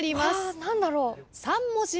何だろう？